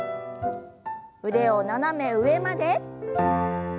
腕を斜め上まで。